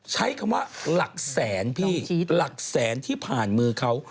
ใช้คำว่าหลักแสนพี่หลักแสนที่ผ่านมือเขา